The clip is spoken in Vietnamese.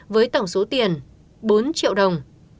với tổng số tiền bốn triệu đồng